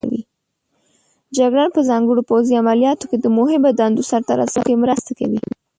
جګړن په ځانګړو پوځي عملیاتو کې د مهمو دندو سرته رسولو کې مرسته کوي.